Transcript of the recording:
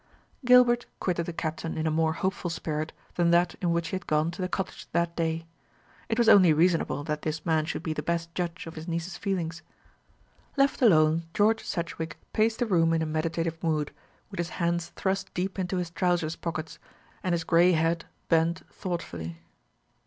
Gilbert quitted the Captain in a more hopeful spirit than that in which he had gone to the cottage that day. It was only reasonable that this man should be the best judge of his niece's feelings. Left alone, George Sedgewick paced the room in a meditative mood, with his hands thrust deep into his trousers pockets, and his gray head bent thoughtfully.